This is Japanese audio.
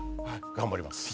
頑張ります。